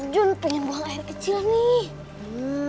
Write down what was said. jun pengen buang air kecil nih